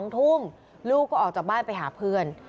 ๒ทุ่มลูกก็ออกจากบ้านไปหาเพื่อน